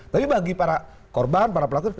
tapi bagi para korban para pelaku